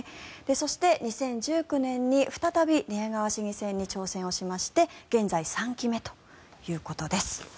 そして、２０１９年に再び寝屋川市議選に挑戦しまして現在３期目ということです。